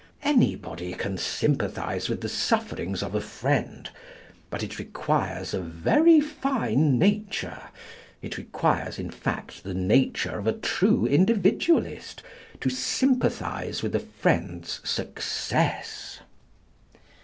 Anybody can sympathise with the sufferings of a friend, but it requires a very fine nature—it requires, in fact, the nature of a true Individualist—to sympathise with a friend's success.